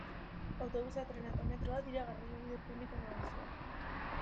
Autobusa, trena eta metroa dira garraiobide publiko nagusiak.